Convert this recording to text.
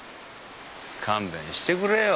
勘弁してくれよ。